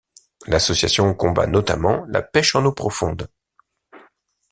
L'association combat notamment la pêche en eaux profondes.